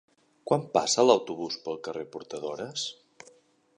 Quan passa l'autobús pel carrer Portadores?